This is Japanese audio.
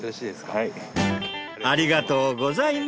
はい。